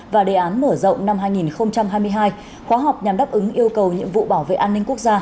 và đề án mở rộng năm hai nghìn hai mươi hai khóa học nhằm đáp ứng yêu cầu nhiệm vụ bảo vệ an ninh quốc gia